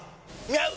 合う！！